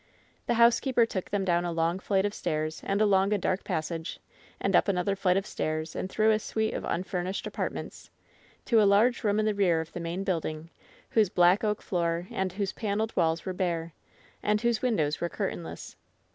The housekeeper took them down a long flight of stairs and along a dark passage, and up another flight of stairs, and through a suit of imfumished apartments, to a large room in the rear of the main building, whose black oak floor and whose paneled walls were bare, and whose windows were curtainless.